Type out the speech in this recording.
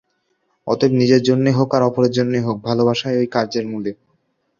অতএব নিজের জন্যই হউক আর অপরের জন্যই হউক, ভালবাসাই ঐ কার্যের মূলে।